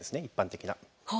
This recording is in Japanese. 一般的な。